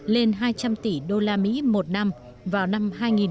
lên hai trăm linh tỷ usd một năm vào năm hai nghìn hai mươi